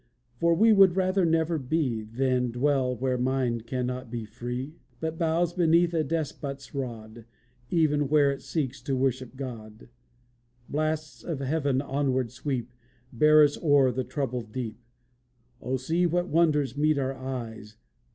For we would rather never be, Than dwell where mind cannot be free, But bows beneath a despot's rod Even where it seeks to worship God. Blasts of heaven, onward sweep! Bear us o'er the troubled deep! O see what wonders meet our eyes!